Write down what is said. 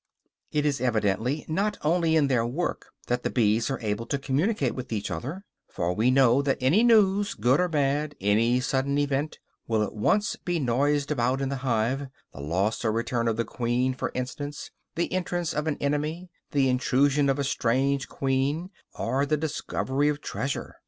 It is evidently not only in their work that the bees are able to communicate with each other, for we know that any news, good or bad, any sudden event, will at once be noised about in the hive; the loss or return of the queen, for instance, the entrance of an enemy, the intrusion of a strange queen, or the discovery of treasure.